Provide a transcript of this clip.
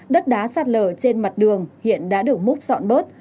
đất đá sạt lở trên mặt đường hiện đã được múc dọn bớt